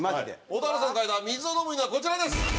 蛍原さんが描いた水を飲む犬はこちらです。